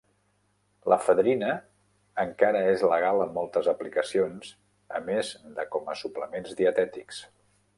L'efedrina encara és legal en moltes aplicacions a més de com a suplements dietètics.